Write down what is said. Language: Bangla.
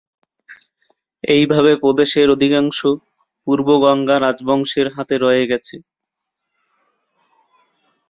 এইভাবে, প্রদেশের অধিকাংশ পূর্ব গঙ্গা রাজবংশের হাতে রয়ে গেছে।